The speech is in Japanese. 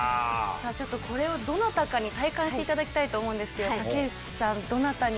さぁこれをどなたかに体感していただきたいと思うんですけど。